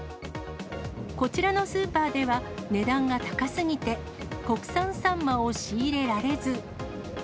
こちらのスーパーでは、値段が高すぎて、国産サンマを仕入れられず。